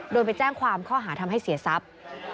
ไปแจ้งความข้อหาทำให้เสียทรัพย์